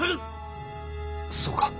そうか。